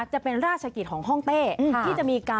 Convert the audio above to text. จะเป็นราชกิจของห้องเต้ที่จะมีการ